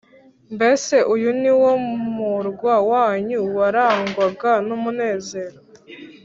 Mbese uyu ni wo murwa wanyu, warangwaga n’umunezero,